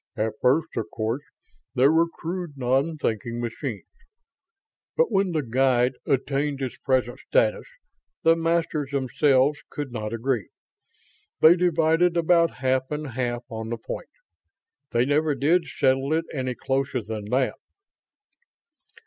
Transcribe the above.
"At first, of course, there were crude, non thinking machines. But when the Guide attained its present status, the Masters themselves could not agree. They divided about half and half on the point. They never did settle it any closer than that."